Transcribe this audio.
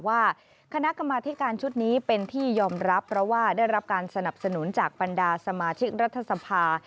ว่าคณะกรรมธิการชุดนี้เป็นที่ยอมรับเพราะว่าได้รับการสนับสนุนจากบรรดาสมาชิกรัฐสภา